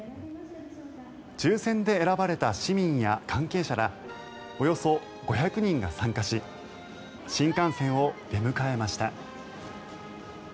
抽選で選ばれた市民や関係者らおよそ５００人が参加し新幹線を出迎えました。